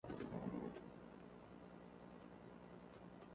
دەتوانرێت پێش تاریکی بگەینە ئەوێ؟